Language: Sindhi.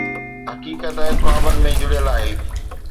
حقيقت خوابن ۾ جڙيل آهي